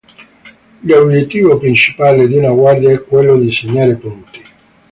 L'obiettivo principale di una guardia è quello di segnare punti.